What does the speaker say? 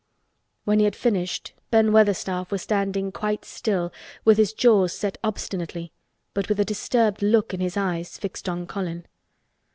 When he had finished, Ben Weatherstaff was standing quite still with his jaws set obstinately but with a disturbed look in his eyes fixed on Colin.